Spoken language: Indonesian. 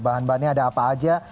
bahan bahannya ada apa aja